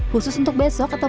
khusus untuk besok atau